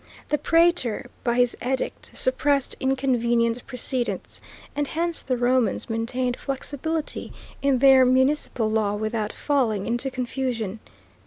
The praetor, by his edict, suppressed inconvenient precedents, and hence the Romans maintained flexibility in their municipal law without falling into confusion.